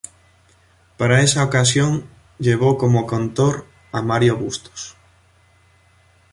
Para esa ocasión llevó como cantor a Mario Bustos.